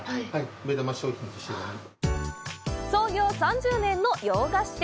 創業３０年の洋菓子店。